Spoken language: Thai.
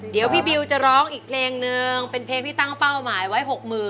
เดี๋ยวพี่บิวจะร้องอีกเพลงนึงเป็นเพลงที่ตั้งเป้าหมายไว้๖๐๐๐